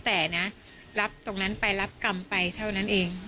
แต่นะรับตรงนั้นไปรับกรรมไปเท่านั้นเอง